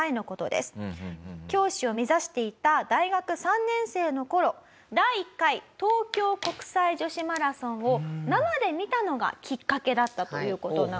教師を目指していた大学３年生の頃第１回東京国際女子マラソンを生で見たのがきっかけだったという事なんですよね。